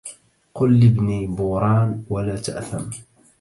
قل لابن بوران ولا تأثم